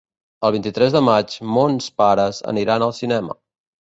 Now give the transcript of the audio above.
El vint-i-tres de maig mons pares aniran al cinema.